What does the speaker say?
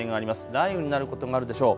雷雨になることがあるでしょう。